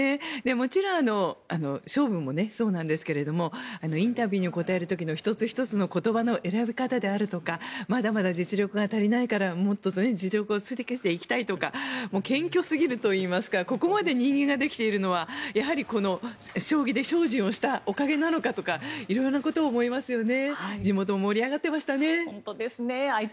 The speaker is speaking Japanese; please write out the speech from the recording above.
もちろん勝負もそうなんですがインタビューに答える時の１つ１つの言葉の選び方であるとかまだまだ実力が足りないからもっと実力をつけていきたいとか謙虚すぎるといいますかここまで人間ができているのはやはり将棋で精進をしたおかげなのかとか色んなことを思いますよね。